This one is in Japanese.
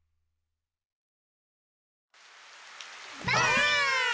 ばあっ！